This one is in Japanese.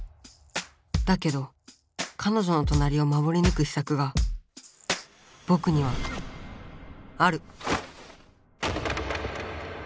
だけどかのじょの隣を守りぬく秘策がぼくにはある。